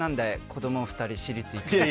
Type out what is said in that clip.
子供２人、私立に行かせて。